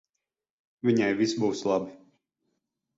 Viņai viss būs labi.